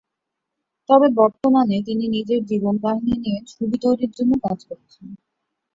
তবে বর্তমানে নিজের জীবনী নিয়ে ছবি তৈরির জন্য কাজ করছেন।